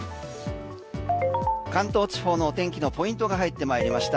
関東地方の天気のポイントが入ってまいりました